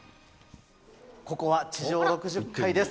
ここは地上６０階です。